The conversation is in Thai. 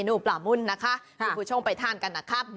ลูกผู้ชมไปทานกันครับ